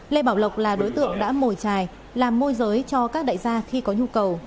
lê bảo lộc là đối tượng đã mồi trài làm môi giới cho các đại gia khi có nhu cầu